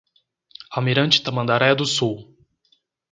Almirante Tamandaré do Sul